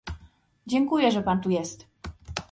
Dziękuję, że pan tu jest